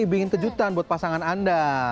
bikin kejutan buat pasangan anda